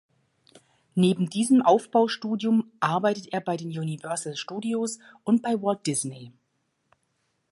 Neben diesem Aufbaustudium arbeitete er bei den Universal Studios und bei Walt Disney.